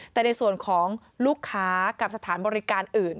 แต่ในส่วนของลูกค้ากับสถานบริการอื่น